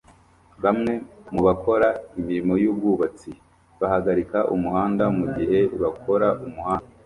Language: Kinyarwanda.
Bamwe mu bakora imirimo y'ubwubatsi bahagarika umuhanda mugihe bakora umuhanda